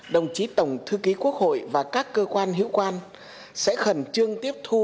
đồng chí tổng thư ký quốc hội và các cơ quan hiệu quan sẽ khẩn trương tiếp thu